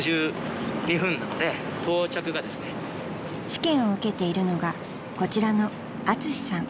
［試験を受けているのがこちらのアツシさん］